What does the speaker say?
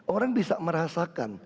orang bisa merasakan